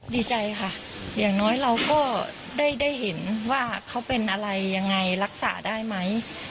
ดีใจค่ะอย่างน้อยเราก็ได้เห็นว่าเขาเป็นอะไรยังไงรักษาได้ไหม